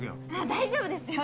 大丈夫ですよ。